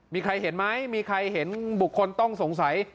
มีใครเห็นไหมมีใครเห็นบุคคลต้องสงสัย